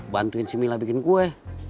bantuin si mila bikin kue